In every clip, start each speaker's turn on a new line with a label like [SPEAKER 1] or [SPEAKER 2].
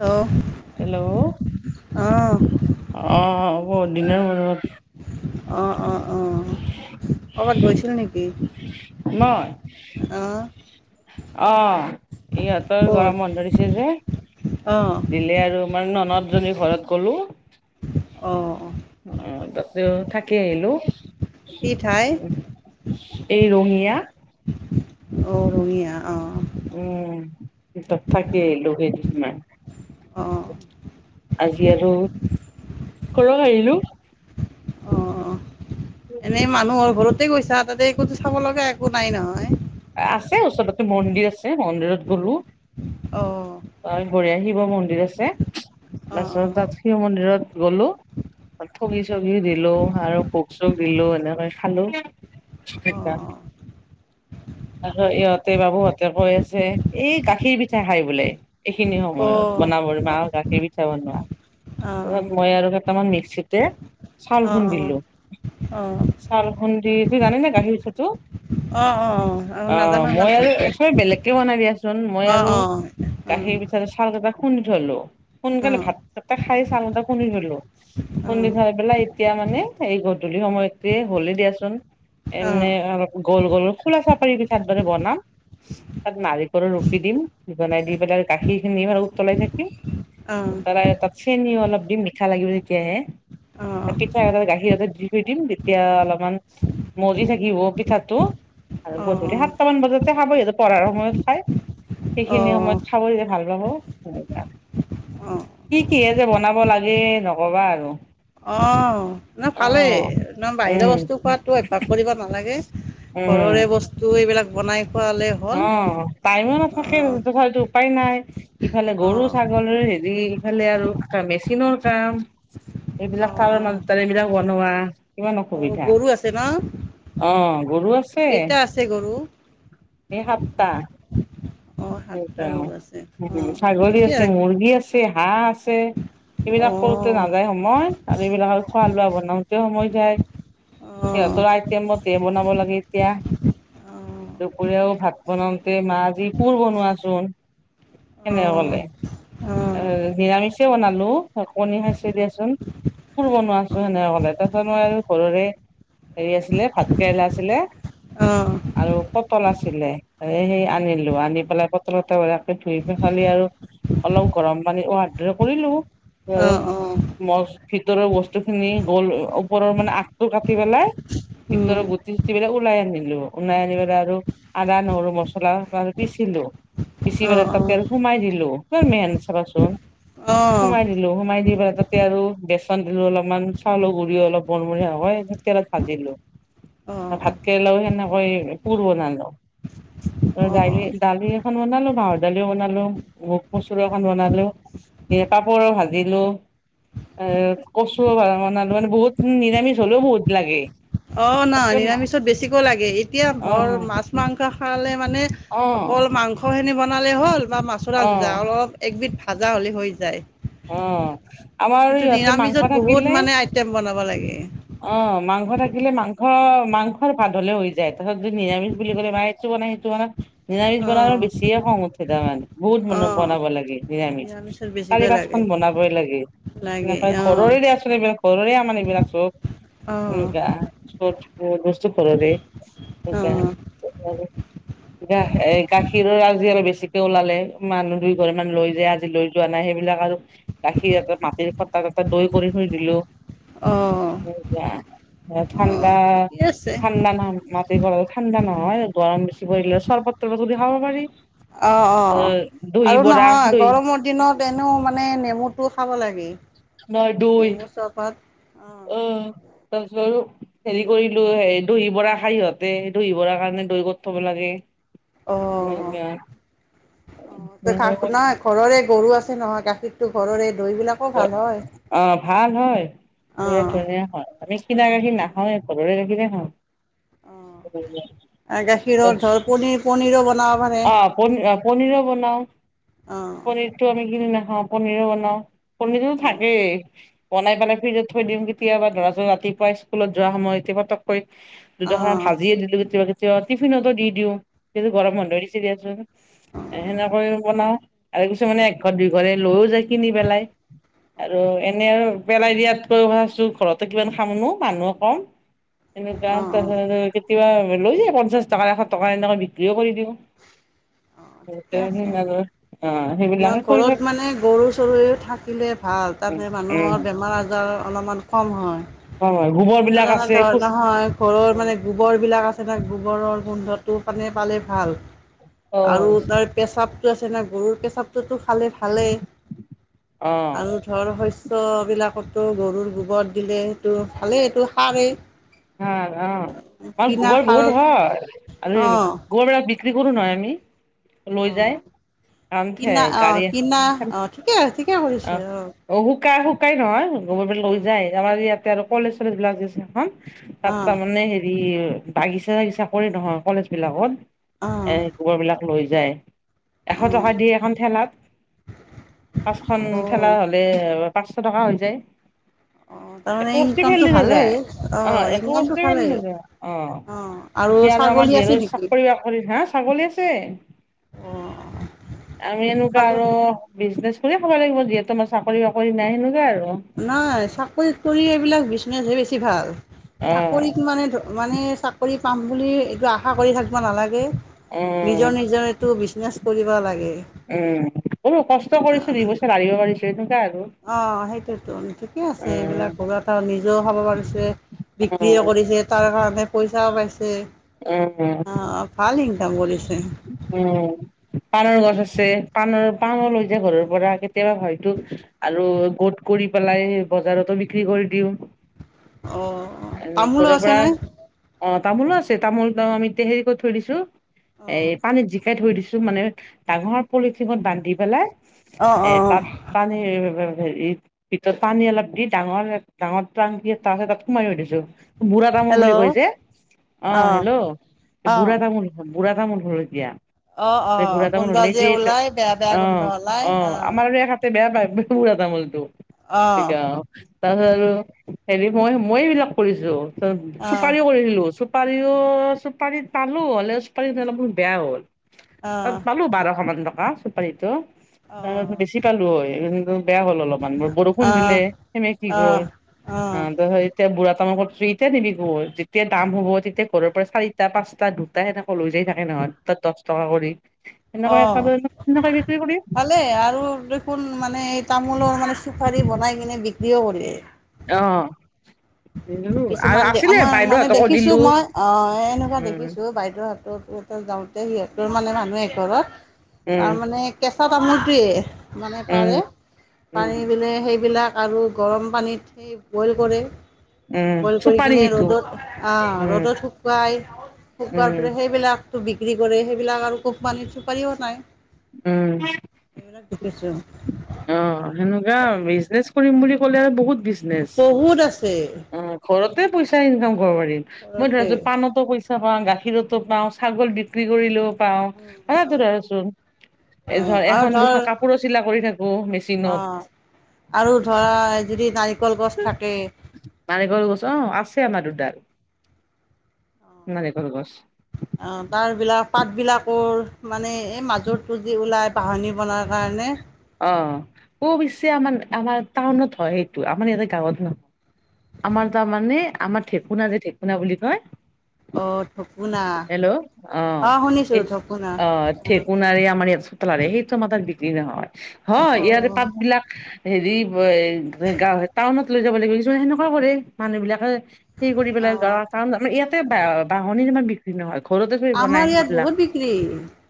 [SPEAKER 1] Hello
[SPEAKER 2] hello আহ
[SPEAKER 1] অঁ
[SPEAKER 2] বহুত দিনৰ মূৰত।
[SPEAKER 1] অ', অ', অ'। কৰ'বাত গৈছিল নেকি
[SPEAKER 2] মই
[SPEAKER 1] আহ?
[SPEAKER 2] অ', ইহঁতৰ
[SPEAKER 1] ক'ত
[SPEAKER 2] গৰম বন্ধ ধৰিছে যে,
[SPEAKER 1] অঁ
[SPEAKER 2] দিল্লী এই আৰু আমাৰ ননদ জনীৰ ঘৰত গলো।
[SPEAKER 1] অ', অ'।
[SPEAKER 2] অ', তাতে থাকি আহিলোঁ।
[SPEAKER 1] কি ঠাই?
[SPEAKER 2] এই ৰঙিয়া।
[SPEAKER 1] অ, ৰঙিয়া, অ'।
[SPEAKER 2] উম, তাত থাকি আহিলোঁ কেদিনমান।
[SPEAKER 1] অ'।
[SPEAKER 2] আজি আৰু ঘৰত আহিলো।
[SPEAKER 1] অ', অ', এনেই মানুহৰ ঘৰতে গৈছা। তাতে একোতো চাব লগা একো নাই নহয়?
[SPEAKER 2] আছে ওচৰতে মন্দিৰ আছে। মন্দিৰত গলো।
[SPEAKER 1] অঁ
[SPEAKER 2] [unintelligible] বোৰে শিৱ মন্দিৰ আছে, তাৰপিছত
[SPEAKER 1] অঁ
[SPEAKER 2] তাত শিৱ মন্দিৰত গ'লো। থগি চবিও দিলো আৰু ভোক চোক দিলো এনেকৈ খালো।
[SPEAKER 1] অঁ
[SPEAKER 2] [inaudible] আৰু ইহঁতে বাবুহঁতে কৈ আছে, এই গাখীৰ পিঠা খাই বোলে। এইখিনি সময়ত
[SPEAKER 1] অঁ
[SPEAKER 2] বনাবৰ,
[SPEAKER 1] অঁ
[SPEAKER 2] মা গাখীৰ পিঠা বনোৱা।
[SPEAKER 1] অঁ অঁ
[SPEAKER 2] তাৰপাছত মই আৰু দুটামান মিক্সিতে চাউল
[SPEAKER 1] অঁ অঁ
[SPEAKER 2] খুন্দিলোঁ।
[SPEAKER 1] অঁ
[SPEAKER 2] চাউল খুন্দি, এইটো জানেনে গাখীৰ পিঠাটো?
[SPEAKER 1] অ', অ', অ'।
[SPEAKER 2] অ', মই আৰু [unintelligible] বেলেগকে বনাই দিয়াচোন, মই
[SPEAKER 1] অঁ
[SPEAKER 2] আৰু
[SPEAKER 1] অঁ অঁ
[SPEAKER 2] গাখীৰ চাউল কেইটা খুন্দি থলোঁ, সোনকালে
[SPEAKER 1] অঁ
[SPEAKER 2] ভাতকিটা খাই চাউল কেইটা খুন্দি থলোঁ।
[SPEAKER 1] অঁ অঁ
[SPEAKER 2] খুন্দিঠই পেলাই। এতিয়া মানে এই গধূলি সময়কে হলে দিয়াচোন।
[SPEAKER 1] অঁ
[SPEAKER 2] এনে অলপ গোল গোল খোলা চাপৰী পিঠাৰ দৰে বনাম। তাত নাৰিকল ৰুপি দিম। বনাই দি পেলাই গাখীৰ খিনি উতলাই থাকিম।
[SPEAKER 1] অঁ
[SPEAKER 2] তাত চেনিও অলপ দিম। মিঠা লাগিব তেতিয়াহে। পিঠা কেইটা গাখীৰতে দি থৈ দিম, তেতিয়া অলপমান মলি থাকিব পিঠাটো। আৰু গধূলি
[SPEAKER 1] অঁ
[SPEAKER 2] সাতটামান বজাতে খাব। সিহতে পঢ়াৰ সময়ত খাই,
[SPEAKER 1] অঁ
[SPEAKER 2] সেইখিনি সময়ত
[SPEAKER 1] অঁ
[SPEAKER 2] খাব তেতিয়া ভাল পাব।
[SPEAKER 1] অঁ
[SPEAKER 2] কি কি যে বনাব লাগে। নক'বা আৰু।
[SPEAKER 1] অহ,
[SPEAKER 2] অ
[SPEAKER 1] ভালেই নহ। বাহিৰৰ
[SPEAKER 2] উম
[SPEAKER 1] বস্তু খোৱাটো অইভ্যাস কৰিব নালাগে।
[SPEAKER 2] উম
[SPEAKER 1] ঘৰৰে বস্তু এইবিলাক বনাই খোৱালে হ'ল
[SPEAKER 2] অহ, টাইমো নাথাকে
[SPEAKER 1] অঁ
[SPEAKER 2] তথাপিও উপায় নাই। ইফালে
[SPEAKER 1] অঁ
[SPEAKER 2] গৰু- ছাগলীৰ হেৰি, ইফালে আৰু মেচিনৰ কাম। এইবিলাক কামৰ
[SPEAKER 1] অঁ
[SPEAKER 2] মাজত তাৰ এইবিলাক বনোৱা। কিমান
[SPEAKER 1] অঁ
[SPEAKER 2] অসুবিধা,
[SPEAKER 1] গৰু আছে ন
[SPEAKER 2] অ' গৰু আছে।
[SPEAKER 1] ছে গৰু।
[SPEAKER 2] এই সপ্তাহ।
[SPEAKER 1] অঁ সাতটা গৰু আছে অঁ
[SPEAKER 2] ছাগলী
[SPEAKER 1] ঠিকে
[SPEAKER 2] আছে মুৰ্গী আছে হাঁহ আছে এইবিলাক কৰ
[SPEAKER 1] অঁ
[SPEAKER 2] নাযায় সময় আৰু এইবিলাক আৰু খোৱা লোৱা বনাওঁতে সময় যায়।
[SPEAKER 1] অঁ
[SPEAKER 2] সিহঁতৰ আইটেম মতে বনাব লাগে এতিয়া।
[SPEAKER 1] অঁ
[SPEAKER 2] দুপৰীয়াও ভাত বনাওঁতে, মা যি কোৰ বনোৱাচোন। সেনে
[SPEAKER 1] অঁ
[SPEAKER 2] কলে।
[SPEAKER 1] অঁ
[SPEAKER 2] এ, নিৰামিচেই বনালোঁ কণী খাইছে দিয়াচোন। একো বনোৱা চনোৱা নাই [unintelligible] তাৰপা মই আৰু ঘৰৰে হেৰি আছিলে ভাত কেৰেলা আছিলে।
[SPEAKER 1] অ'।
[SPEAKER 2] আৰু পটল আছিলে এ, সেই আনি লো, আনি পেলাই পটল এটা [unintelligible] ধুই পখালি আৰু অলপ গৰম পানী [unintelligible] কৰিলোঁ আৰু।
[SPEAKER 1] অঁ অঁ
[SPEAKER 2] মচ ভিতৰৰ বস্তুখিনি গ'ল ওপৰৰ মানে আগটো কাটি পেলাই
[SPEAKER 1] উম,
[SPEAKER 2] ভিতৰত গুটি চুটি বিলাক ওলাই আনিলোঁ ওলাই আনি পেলাই আৰু আদা, নহৰু, মছলা পিচিলোঁ, পিচি
[SPEAKER 1] অঁ
[SPEAKER 2] পেলাই
[SPEAKER 1] অঁ
[SPEAKER 2] তাতে আৰু সোমাই দিলোঁ কিমান মেহন চাবাচোন।
[SPEAKER 1] অঁ
[SPEAKER 2] সোমাই দি লোঁ, সোমাই দি পেলাই তাতে আৰু বেচন দিলোঁ অলপমান চাউলৰ গুৰি অলপ বৰমৰিয়া হয় তেলত ভাজি দিলোঁ আৰু
[SPEAKER 1] অঁ
[SPEAKER 2] ভাতকেৰেলা সেনেকৈয়ে পোৰ বনালোঁ।
[SPEAKER 1] অঁ অঁ
[SPEAKER 2] দাইলি দালি এখন বনালোঁ মাহৰ দালিও বনালোঁ মগু মচুৰ এখন বনালোঁ। [unintelligible] ভাজিলোঁ। এ, কচু [unintelligible] বনালোঁ মানে বহুত নিৰামিষ হ'লেও বহুত লাগে।
[SPEAKER 1] অ', নাই
[SPEAKER 2] তাতকে
[SPEAKER 1] নিৰামিষত বেছিকৈ লাগে, এতিয়া
[SPEAKER 2] অ
[SPEAKER 1] ঘৰ মাছ মাংস খালে মানে
[SPEAKER 2] অ
[SPEAKER 1] অকল মাংসখিনি বনালে হ'ল বা মাছৰ
[SPEAKER 2] অ
[SPEAKER 1] আঞ্জা অলপ একবিধ ভাজা হ'লে হৈ যায়।
[SPEAKER 2] উম।
[SPEAKER 1] কিন্তু নিৰামিষত বহুত মানে আইটেম বনাব লাগে।
[SPEAKER 2] অ', মাংস থাকিলে মাংস, মাংসৰ ভাত হ'লে হৈ যায় তাৰপিছত যদি নিৰামিষ বুলি ক'লে মায় ই এইটো বনা, সেইটো বনা। নিৰামিষ বনাব
[SPEAKER 1] অ'
[SPEAKER 2] বেছিয়ে খং উঠে তাৰমানে বহুত মানে
[SPEAKER 1] অ'
[SPEAKER 2] বনাব লাগে। নিৰামিষ,
[SPEAKER 1] নিৰামিষত বেছিকৈ
[SPEAKER 2] চাৰিপাঁচ
[SPEAKER 1] লাগে
[SPEAKER 2] বনাবই লাগে,
[SPEAKER 1] লাগে
[SPEAKER 2] এনেকা
[SPEAKER 1] অ'
[SPEAKER 2] ঘৰৰে আচোন এইবিলাক ঘৰৰে আমান এইবিলাক চব
[SPEAKER 1] অ'
[SPEAKER 2] এনেকা, চব বস্তু ঘৰৰে এনেকা
[SPEAKER 1] অ'
[SPEAKER 2] গা এ, গাখীৰৰ আজি অলপ বেছিকে ওলালে মানুহ দুই ঘৰ মান লৈ যায়, আজি লৈ যোৱা নাই সেইবিলাক আৰু গাখীৰ এটা মাটিৰ [unintelligible] এটা দৈ কৰি থৈ দিলোঁ।
[SPEAKER 1] অ' অ'
[SPEAKER 2] ঠাণ্ডা,
[SPEAKER 1] ঠিকে আছে
[SPEAKER 2] ঠাণ্ডা নহ কৰা ঠাণ্ডা নহয়, গৰম বেছি পৰিলে চৰবত তৰবতত খাব পাৰি।
[SPEAKER 1] অ', অ',
[SPEAKER 2] দহি
[SPEAKER 1] আৰু
[SPEAKER 2] বৰা
[SPEAKER 1] নহয়
[SPEAKER 2] দহি
[SPEAKER 1] গৰম দিনত এনেও মানে নেমুটো খাব লাগে।
[SPEAKER 2] [inaudible]
[SPEAKER 1] [inaudible]
[SPEAKER 2] উম, [unintelligible] আৰু। হেৰি কৰিলোঁ হে দহি বৰা খাই সিহঁতে দহি বৰা কাৰণে দৈ কৰি থ'ব লাগে।
[SPEAKER 1] অ'।
[SPEAKER 2] [inaudible]
[SPEAKER 1] অ', গা নহয় ঘৰৰে গৰু আছে নহয় গাখীৰটো ঘৰৰে দৈবিলাকো ভাল হয়।
[SPEAKER 2] অ', ভাল হয়,
[SPEAKER 1] অ
[SPEAKER 2] বিৰা ধুনীয়া হয়, আমি কিনা গাখীৰ নাখাওঁৱে ঘৰৰে গাখীৰে খাওঁ।
[SPEAKER 1] অ', গাখীৰৰ ধৰ পনীৰ, পনীৰো বনাব পাৰে।
[SPEAKER 2] অ পনীৰো বনাওঁ
[SPEAKER 1] অ অ
[SPEAKER 2] পনীৰটো আমি কিনি নাখাওঁ পনীৰো বনাওঁ। পনীৰো থাকেই। বনাই পেলাই ফ্ৰিজত থৈ দিওঁ কেতিয়াবা [unintelligible] ৰাতিপুৱা স্কুল যোৱা সময় ইঁহতক
[SPEAKER 1] অ
[SPEAKER 2] দুডোখৰ ভাজি দিলোঁ [unintelligible] টিফিনতো দি দিওঁ এতিয়াটো গৰম বন্ধ দিছে দিয়াচোন। সেনেকৈও বনাওঁ আৰু কিছুমানে এঘৰ দুইঘৰে লৈও যায় কিনি পেলায়। আৰু এনে আৰু পেলাই দিয়াত ভাবছোঁ ঘৰতে কিমান খামনো মানুহো কম। এনেকুৱা
[SPEAKER 1] অ অ
[SPEAKER 2] তাৰ কেতিয়াবা লৈ যায় পঞ্চাশ টকা, এশ টকা এনেকৈ বিক্ৰীও কৰি দিওঁ। [inaudible]
[SPEAKER 1] অ নহয়
[SPEAKER 2] কৰি
[SPEAKER 1] ঘৰত
[SPEAKER 2] থাক
[SPEAKER 1] মানে গৰু চৰু থাকিলে ভাল,
[SPEAKER 2] উম
[SPEAKER 1] তাতে
[SPEAKER 2] উম
[SPEAKER 1] মানুহৰ বেমাৰ আজাৰৰ
[SPEAKER 2] অ', গোবৰ বিলাক আছে খু
[SPEAKER 1] অলপমান
[SPEAKER 2] অ',
[SPEAKER 1] [unintelligible] গোবৰবিলাক আছে না গোবৰৰ গোন্ধটো মানে পালে ভাল আৰু
[SPEAKER 2] অ',
[SPEAKER 1] তাৰ পেচাবটো আছে না গৰুৰ পেচাবটোতো খালে ভালেই
[SPEAKER 2] হা
[SPEAKER 1] আৰু ধৰ শস্যবিলাকতো গৰুৰ গোবৰত দিলে সেইটো ভালেই এইটো। সাৰেই
[SPEAKER 2] হা অহ
[SPEAKER 1] কিনা
[SPEAKER 2] গোবৰ বহুত
[SPEAKER 1] সাৰত
[SPEAKER 2] হয় আৰু
[SPEAKER 1] অঁ
[SPEAKER 2] গোবৰ বিলাক বিক্ৰী কৰো নহয় আমি। লৈ যায়
[SPEAKER 1] অঁ কিনা
[SPEAKER 2] [unintelligible]
[SPEAKER 1] অঁ
[SPEAKER 2] গাড়ী
[SPEAKER 1] কিনা অঁ ঠিকে ঠিকে কৰিছে
[SPEAKER 2] অহ।
[SPEAKER 1] অঁ
[SPEAKER 2] অ', শুকাই শুকাই নহয় গোবৰ বিলাক লৈ যায় আমাৰ ইয়াতে আৰু কলেজ চলেজ বিলাকছে এখন তাত
[SPEAKER 1] অঁ
[SPEAKER 2] তাৰমানে হেৰি বাগিচা বাগিছা কৰি নহয় কলেজ বিলাকত
[SPEAKER 1] অঁ
[SPEAKER 2] এ গোবৰ বিলাক লৈ যায়। এশ
[SPEAKER 1] অঁ
[SPEAKER 2] টকা দি এখন ঠেলাত পাঁচখন
[SPEAKER 1] অঁ
[SPEAKER 2] ঠেলা হ'লে পাঁচশ টকা হৈ যায়।
[SPEAKER 1] অ', তাৰ
[SPEAKER 2] একো
[SPEAKER 1] মানে
[SPEAKER 2] বস্তু
[SPEAKER 1] ইনকম টো
[SPEAKER 2] খেলি নাযায়
[SPEAKER 1] ভালেই অ',
[SPEAKER 2] একো বস্তু
[SPEAKER 1] ইনকামটো
[SPEAKER 2] খেলি
[SPEAKER 1] ভালেই
[SPEAKER 2] নাযায়
[SPEAKER 1] অ', আৰু
[SPEAKER 2] এতিয়া আমাৰ
[SPEAKER 1] ছাগলী
[SPEAKER 2] যিহেতু
[SPEAKER 1] আছে নি?
[SPEAKER 2] চাকৰি বাকৰিত হা ছাগলী আছে
[SPEAKER 1] অঁ
[SPEAKER 2] আমি এনেকুৱা
[SPEAKER 1] ছাগল
[SPEAKER 2] আৰু বিজনেচ কৰিয়ে খাৱ লাগিব যিহেতু আমাৰ চাকৰি বাকৰি নাই সেনেকুৱা আৰু।
[SPEAKER 1] নাই চাকৰিত কৰি এইবিলাক বিজনেচহে বেছি ভাল
[SPEAKER 2] অ
[SPEAKER 1] চাকৰিত মানে ধৰ মানে চাকৰি পাম বুলি এইটো আশা কৰি থাকিব নালাগে
[SPEAKER 2] উম
[SPEAKER 1] নিজৰ নিজৰ টো বিজনেছ কৰিব লাগে।
[SPEAKER 2] উম, বলো কষ্ট কৰিছো দুই পইচা লাৰিব পাৰিছো এনেকোৱা আৰু।
[SPEAKER 1] অ', সেইটোৱেতো ঠিকে আছে
[SPEAKER 2] উম
[SPEAKER 1] এইবিলাক এটা নিজেও খাব পাৰিছে।
[SPEAKER 2] উম
[SPEAKER 1] বিক্ৰীয়ে কৰিছে তাৰ কাৰণে পইচাও পাইছে।
[SPEAKER 2] উম, উম।
[SPEAKER 1] অঁ ভাল ইনকাম কৰিছে।
[SPEAKER 2] উম। পাণৰ গছ আছে পাণৰ পাণো লৈ যায় ঘৰৰ পৰা কেতিয়াবা হয়তো আৰু গোট কৰি পেলাই বজাৰতো বিক্ৰী কৰি দিওঁ।
[SPEAKER 1] অঁ
[SPEAKER 2] আৰু
[SPEAKER 1] তামোলো
[SPEAKER 2] ঘৰ পৰা
[SPEAKER 1] আছেনে
[SPEAKER 2] অ', তামোলো আছে তামোল ত আমি হেৰি কৈ থৈ দিছো। এ
[SPEAKER 1] অঁ
[SPEAKER 2] পানীত জিকাই থৈ দিছো মানে ডাঙৰৰ পলিথিনত বান্ধি পেলাই।
[SPEAKER 1] অঁ
[SPEAKER 2] এ
[SPEAKER 1] অঁ
[SPEAKER 2] তাত পানীৰ ভিতৰত পানী অলপ দি ডাঙৰ ডাঙৰ টংকি এটা আছে তাত সোমাই থৈ দিছো। বুঢ়া তামোল
[SPEAKER 1] হেল্ল'
[SPEAKER 2] বুলি কয় যে অ',
[SPEAKER 1] অঁ
[SPEAKER 2] হেল্ল' এই
[SPEAKER 1] অঁ
[SPEAKER 2] বুঢ়া তামোল বুঢ়া [unintelligible] বুঢ়া তামোল
[SPEAKER 1] অঁ অঁ গোন্ধ
[SPEAKER 2] হলে যে
[SPEAKER 1] ওলাই বেয়া বেয়া গোন্ধ
[SPEAKER 2] অ',
[SPEAKER 1] ওলাই
[SPEAKER 2] অ',
[SPEAKER 1] অঁ
[SPEAKER 2] আমাৰ আৰু এখেতে বেয়া পাই বুঢ়া তামোলটো।
[SPEAKER 1] অঁ
[SPEAKER 2] তাৰপিছত আৰু হেৰি মই মই এইবিলাক কৰিছো
[SPEAKER 1] অঁ
[SPEAKER 2] চুপাৰিও কৰিছিলো চুপাৰিও চুপাৰিত পালো হ'লেও চুপাৰি খিনি অলপ মান বেয়া হ'ল। তাত
[SPEAKER 1] অঁ
[SPEAKER 2] পালো বাৰশ মান টকা চুপাৰীটো ত
[SPEAKER 1] অঁ
[SPEAKER 2] বেছি পালো হয়। বেয়া হ'ল অলপমান বৰষুণ দিলে
[SPEAKER 1] অঁ
[SPEAKER 2] সেমেকি গ'ল
[SPEAKER 1] অঁ
[SPEAKER 2] অ', ত' তেতিয়া বুঢ়া তামুল কতো এতিয়া নিবি গ যেতিয়া দাম হ'ব তেতিয়া ঘৰৰ পৰা চাৰিটা পাঁচটা দুটা সেনেক লৈ যায় থাকে নহয় তাত দহ টকা কৰি এনেক
[SPEAKER 1] অঁ অঁ
[SPEAKER 2] এ বিক্ৰী কৰি
[SPEAKER 1] ভালে আৰু দেখোন মানে এই তামোলৰ মানে চুপাৰি বনাই কিনে বিক্ৰীও কৰে।
[SPEAKER 2] অ'।
[SPEAKER 1] কিছুমান দে
[SPEAKER 2] আছিলে
[SPEAKER 1] আমাৰ মানে
[SPEAKER 2] বাইদেউহঁতকো
[SPEAKER 1] দেখিছো
[SPEAKER 2] দিলো
[SPEAKER 1] মই অ', এনেকুৱা
[SPEAKER 2] উম
[SPEAKER 1] দেখিছো বাইদেউৰ হাতৰ যাওঁতে সিহঁতৰ মানে মানুহে ঘৰত
[SPEAKER 2] উম
[SPEAKER 1] তাৰ মানে কেঁচা তামোলটয়ে মানে
[SPEAKER 2] উম
[SPEAKER 1] পাৰে
[SPEAKER 2] উম,
[SPEAKER 1] পাৰি মেলি সেইবিলাক আৰু গৰম পানীত সেই বইল কৰে।
[SPEAKER 2] উম,
[SPEAKER 1] বইল কৰি
[SPEAKER 2] চুপাৰী
[SPEAKER 1] কিনে
[SPEAKER 2] সেইটো
[SPEAKER 1] ৰ'দত আহ
[SPEAKER 2] উম,
[SPEAKER 1] ৰ'দত শুকুৱাই শুকোৱাৰ
[SPEAKER 2] উম,
[SPEAKER 1] পৰা সেইবিলাক বিক্ৰী কৰে সেইবিলাক আৰু কোম্পানীৰ চুপাৰিও নাই।
[SPEAKER 2] উম। অ', সেনেকুৱা বিজনেচ কৰিম বুলি ক'লে বহুত বিজনেচ
[SPEAKER 1] বহুত আছে
[SPEAKER 2] অ'। ঘৰতে পইচা ইনকাম কৰিব পাৰিম মই ধৰাছো
[SPEAKER 1] ঘৰতে
[SPEAKER 2] পানত পইচা পাওঁ গাখীৰতো পাওঁ ছাগল বিক্ৰী কৰিলেও পাওঁ
[SPEAKER 1] উম
[SPEAKER 2] কথাটো
[SPEAKER 1] উম,
[SPEAKER 2] ধৰা চোন। এ ধৰ এখন দুখন কাপোৰো চিলাই কৰি থাকো মে
[SPEAKER 1] অ', আৰু ধৰা যদি নাৰিকল গছ থাকে।
[SPEAKER 2] নাৰিনকল গছ অ', আছে আমাৰ দুডাল নাৰিকল গছ
[SPEAKER 1] তাৰবিলাক পাতবিলাকৰ মানে এই মাজত পুঁজি ওলাই বাহনি বনোৱাৰ কাৰণে
[SPEAKER 2] অ', অছে আমাৰ আমাৰ টাউনত হয় সেইটো আমাৰ ইয়াতে গাঁৱত নহয় আমাৰ তাৰমানে আমাৰ ঠেকুনা যে ঠেকুনা বুলি কয়
[SPEAKER 1] অ ঢকুনা
[SPEAKER 2] হেল্ল' অ',
[SPEAKER 1] শুনিছো
[SPEAKER 2] এই
[SPEAKER 1] ঢকুনা
[SPEAKER 2] অ', ঠেকনাৰে আমাৰ লাৰে সেইটো মাতাৰ বিক্ৰী নহয় হয়
[SPEAKER 1] অ
[SPEAKER 2] ইয়াৰ পাত বিলাক হেৰি গাঁৱ টাউনত লৈ যাব লাগিব কি সেনেকুৱা কৰে মানুহ বিলাকে সেই কৰি
[SPEAKER 1] অ
[SPEAKER 2] পেলাই যোৱা কাৰণ জান ইয়াতে বা
[SPEAKER 1] অ
[SPEAKER 2] বাহনি ইমান বি
[SPEAKER 1] আমাৰ ইয়াত বহুত বিক্ৰী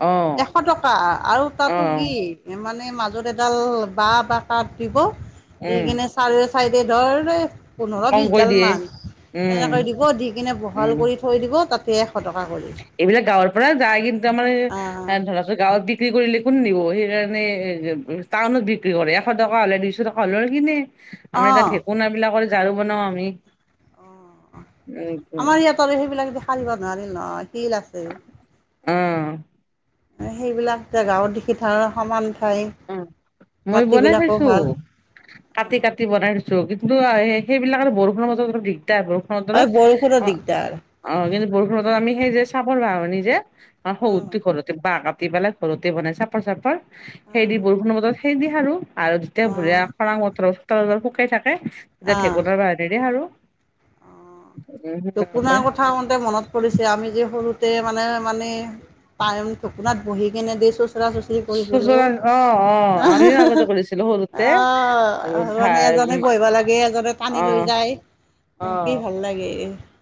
[SPEAKER 2] অ
[SPEAKER 1] এশ টকা আৰু
[SPEAKER 2] অ
[SPEAKER 1] তাতো কি মানে মাজত এডাল বাঁহ বা কাঠ দিব দি
[SPEAKER 2] উম
[SPEAKER 1] কিনে চাৰে চাই ধৰ পোন্ধৰ
[SPEAKER 2] কমকৈ
[SPEAKER 1] বিশডাল
[SPEAKER 2] দিয়ে
[SPEAKER 1] মান
[SPEAKER 2] উম
[SPEAKER 1] তেনেকৈ দিব দি কিনে বহাল
[SPEAKER 2] উম
[SPEAKER 1] কৰি থৈ দিব তাতে এশ টকা কৰি
[SPEAKER 2] এইবিলাক গাওঁৰ পৰা যায় কিন্তু
[SPEAKER 1] অঁ
[SPEAKER 2] আমাৰ ধৰা গাঁওত বিক্ৰী কৰিলে কোন নিব সেইকাৰণে টাউনত বিক্ৰী কৰে এশ টকা হ'লে দুইশ টকা হ'লে কিনে। আমাৰ এ
[SPEAKER 1] অঁ
[SPEAKER 2] তাত ঢেকোনা বিলাকৰ ঝাৰু বনাও আমি।
[SPEAKER 1] অঁ
[SPEAKER 2] উম
[SPEAKER 1] আমাৰ ইয়াতত আৰু সেইবিলাক দে সাৰিব দিব নোৱাৰিল নহয় শিল আছে।
[SPEAKER 2] উম।
[SPEAKER 1] সেইবিলাক জেগাও দেখি থাও সমান ঠাই
[SPEAKER 2] উ মই বনাই
[SPEAKER 1] মাটিবিলাকো
[SPEAKER 2] থইছো।
[SPEAKER 1] ভাল
[SPEAKER 2] কাটি
[SPEAKER 1] অঁ
[SPEAKER 2] কাটি বনাই থয়ছো কিন্তু সেইবিলাক বৰষুণৰ মাজত অলপ দিগদাৰ আৰু
[SPEAKER 1] অই বৰষুণৰ দিগদাৰ।
[SPEAKER 2] অ', কিন্তু বৰষুণত আমি সেই যে চাপৰ ব নি যে
[SPEAKER 1] অঁ
[SPEAKER 2] শহৰঠে ঘৰতে বাহ কাটি পেলাই ঘৰতে বনাই চাপৰ চাপৰ সেইদি
[SPEAKER 1] অঁ
[SPEAKER 2] বৰষুণৰ বতৰত সেইদি সাৰো। আৰু যেতিয়া ভৰি
[SPEAKER 1] অঁ
[SPEAKER 2] খৰাং বতৰত শুকাই থাকে তেতিয়া
[SPEAKER 1] অঁ
[SPEAKER 2] ঢেকুনাৰ বাহনিৰে সাৰো। উম
[SPEAKER 1] ঢেকুনাৰ
[SPEAKER 2] সেনেকৈ
[SPEAKER 1] কথা কওঁতে মনত পৰিছে আমি যে সৰুতে মানে, মানে [unintelligible] ঢেকুনাত বহি কিনে যে চোচৰা চচৰি কৰিছিলো
[SPEAKER 2] চোচৰা অ অ
[SPEAKER 1] আ
[SPEAKER 2] আমিও আগতে কৰিছিলো সৰুতে
[SPEAKER 1] হা হা মানে এজনে
[SPEAKER 2] ভাই
[SPEAKER 1] বহিব লাগ এই এজনে টানি
[SPEAKER 2] অ
[SPEAKER 1] লৈ যায় অ', কি ভাল লাগে।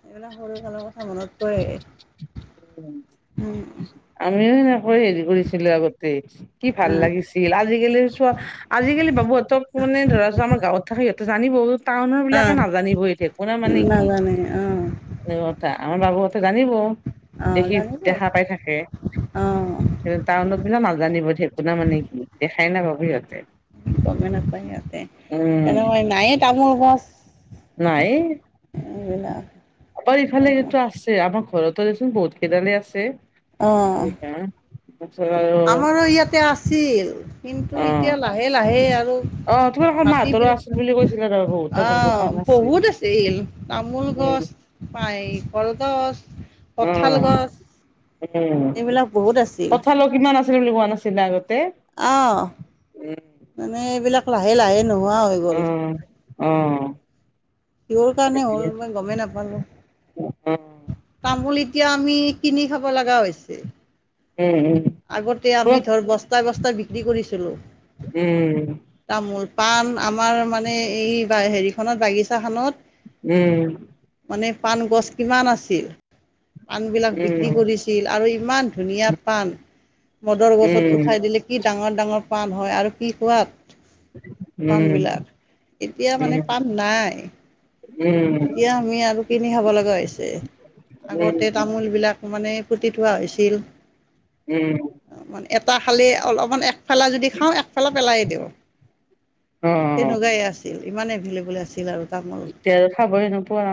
[SPEAKER 1] এইবিলাক সৰু কালৰ কথা মনত পৰে
[SPEAKER 2] উম
[SPEAKER 1] উম।
[SPEAKER 2] আমিও সেনেকৈ হেৰি কৰিছিলো আগতে কি ভাল
[SPEAKER 1] উম
[SPEAKER 2] লাগিছিল আজিকালি চোৱা আজিকালি বাবুহঁতক মানে ধৰা ছ আমাৰ গাঁওত থাকে সিহঁত জানিব টাউনৰ
[SPEAKER 1] অ
[SPEAKER 2] বিলাকে নাজানিব এই ঢেকুনা মানে কি?
[SPEAKER 1] নাজানে অ'।
[SPEAKER 2] স কথা আমাৰ বাবুহঁতে জানিব
[SPEAKER 1] অ
[SPEAKER 2] সেই
[SPEAKER 1] জানিব
[SPEAKER 2] দেখা পাই থাকে।
[SPEAKER 1] অ
[SPEAKER 2] স টাউনত বিলাক নাজানিব ঢেকুনা মানে কি দেখাই নাপাবো সিহঁতে।
[SPEAKER 1] গমে নাপায় সিহঁতে
[SPEAKER 2] উম
[SPEAKER 1] তেনেকই নায়ে তামোল গছ।
[SPEAKER 2] নাইয়ে।
[SPEAKER 1] এইবিলাক
[SPEAKER 2] অকল ইফালে এইটো আছে আমাৰ ঘৰতো দেচোন বহুত কেইটা আছে
[SPEAKER 1] অ
[SPEAKER 2] এনেকুৱা। আৰু।
[SPEAKER 1] আমাৰো ইয়াতে আছিল কিন্তু
[SPEAKER 2] অ
[SPEAKER 1] এতিয়া লাহে লাহে আৰু
[SPEAKER 2] অ তোমালোকৰ
[SPEAKER 1] মাটি
[SPEAKER 2] মাহঁতৰো
[SPEAKER 1] বিলাক
[SPEAKER 2] আছিল বুলি কৈছিলা ৰ বহুতটা কলগছ
[SPEAKER 1] অহ
[SPEAKER 2] আছিল
[SPEAKER 1] বহুত আছিল তামোল
[SPEAKER 2] উম
[SPEAKER 1] গছ নাই এ কলগছ কঁঠাল
[SPEAKER 2] অ
[SPEAKER 1] গছ
[SPEAKER 2] উম
[SPEAKER 1] এইবিলাক বহুত আছিল
[SPEAKER 2] কথালো কিমান আছিল বুলি কোৱা নাছিলে আগতে
[SPEAKER 1] অ',
[SPEAKER 2] উম
[SPEAKER 1] মানে এইবিলাক লাহে লাহে নোহোৱা হৈ গ'ল
[SPEAKER 2] অ অ'
[SPEAKER 1] কিহৰ
[SPEAKER 2] অ
[SPEAKER 1] কাৰণে হ'ল মই গমেই নাপালো
[SPEAKER 2] উম
[SPEAKER 1] তামুলী এতিয়া আমি কিনি খাব লগা হৈছে।
[SPEAKER 2] উম
[SPEAKER 1] আগতে
[SPEAKER 2] কোৱা,
[SPEAKER 1] আমি ধৰ বস্তা বস্তা বিক্ৰী কৰিছিলোঁ।
[SPEAKER 2] উম
[SPEAKER 1] তামোল পাণ আমাৰ মানে এই হেৰিখনত বাগিচাখনত
[SPEAKER 2] উম
[SPEAKER 1] মানে পাণ গছ কিমান আছিল পাণবিলাক বিক্ৰী
[SPEAKER 2] উম
[SPEAKER 1] কৰি আৰু ইমান ধুনীয়া পাণ কদৰ
[SPEAKER 2] উম
[SPEAKER 1] গছত
[SPEAKER 2] উম
[SPEAKER 1] উঠাই দিলে কি ডাঙৰ ডাঙৰ পাণ হয় আৰু কি সোৱাত পাণ
[SPEAKER 2] উম
[SPEAKER 1] বিলাক এতিয়া
[SPEAKER 2] উম
[SPEAKER 1] মানে পাণ নাই। এতিয়া আমি আৰু কিনি খাব লগা হৈছে
[SPEAKER 2] উম
[SPEAKER 1] আগতে তামোল তামোল বিলাক মানে পুটি থোৱা হৈছিল
[SPEAKER 2] উম
[SPEAKER 1] এটা ফালি অলপমান একফালা যদি খাওঁ একফালা পেলাই দিওঁ
[SPEAKER 2] অ
[SPEAKER 1] তেনেকুৱাই আছিল ইমান এভেলেবোল আছিল আৰু তামুল।
[SPEAKER 2] এতিয়া খাবই এ নোপোৱা